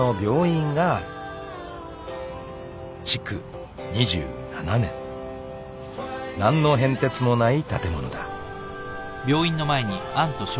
［築２７年何の変哲もない建物だ］